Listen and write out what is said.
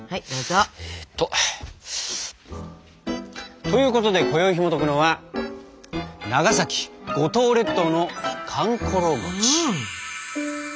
どうぞ。ということでこよいひもとくのは「長崎五島列島のかんころ餅」。